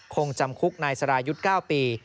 คงจำคุกนายสรายุทธ์๙ปี